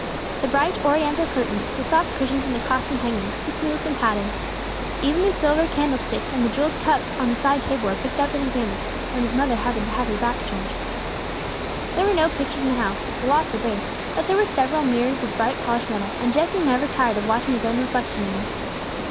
The bright oriental curtains, the soft cushions and the costly hangings, he smoothed and patted. Even the silver candlesticks and the jewelled cups on the side table were picked up and examined, when his mother happened to have her back turned. [Illustration: "'WE TALKED LATE'"] There were no pictures in the house; the Law forbade. But there were several mirrors of bright polished metal, and Jesse never tired of watching his own reflection in them.